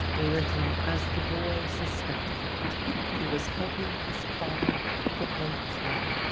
Little as the boy suspected it, he was helping his fa ther greatly.